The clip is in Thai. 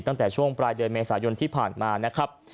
ตั้งแต่ช่วงปลายเดือนเมษายนที่ผ่านมานะครับ